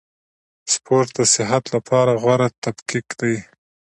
سپورټ د صحت له پاره غوره تفکیک دئ.